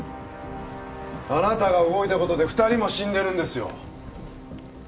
あなたが動いたことで二人も死んでるんですよ